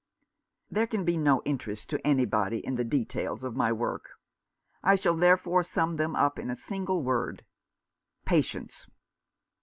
There can be no interest to anybody in the details of my work. I shall therefore sum them up in a single word, Patience.